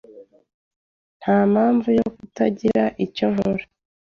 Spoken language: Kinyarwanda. Ntampamvu yo kutagira icyo nkora.